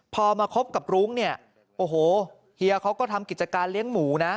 พอมาคบกับรุ้งเนี่ยโอ้โหเฮียเขาก็ทำกิจการเลี้ยงหมูนะ